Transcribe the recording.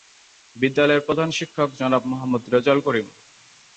বিদ্যালয়ের প্রধান শিক্ষক জনাব মোহাম্মদ রেজাউল করিম।